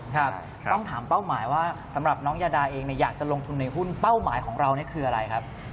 ครับต้องถามเป้าหมายว่าสำหรับน้องยาดาเองอยากจะลงทุนในหุ้นเป้าหมายของเรานี่คืออะไรครับ